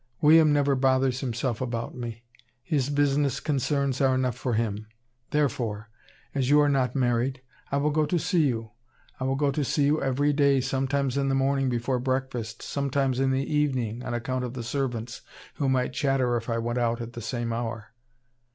William never bothers himself about me. His business concerns are enough for him. Therefore, as you are not married, I will go to see you. I will go to see you every day, sometimes in the morning before breakfast, sometimes in the evening, on account of the servants, who might chatter if I went out at the same hour.